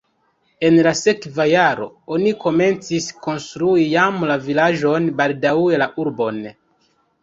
En la sekva jaro oni komencis konstrui jam la vilaĝon, baldaŭe la urbon.